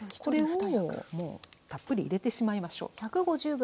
これをもうたっぷり入れてしまいましょう。